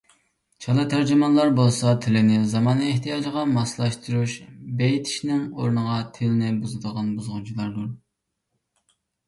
«چالا تەرجىمان»لار بولسا تىلىنى زامان ئىھتىياجىغا ماسلاشتۇرۇش، بېيتىشنىڭ ئورنىغا تىلىنى بۇزىدىغان بۇزغۇنچىلاردۇر.